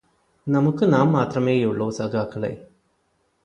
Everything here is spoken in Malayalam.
നമുക്ക് നാം മാത്രമേയുള്ളൂ സഖാക്കളേ.